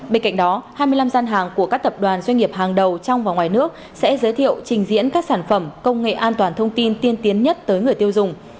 bên cạnh đó hai mươi năm gian hàng của các tập đoàn doanh nghiệp hàng đầu trong và ngoài nước sẽ giới thiệu trình diễn các sản phẩm công nghệ an toàn thông tin tiên tiến nhất tới người tiêu dùng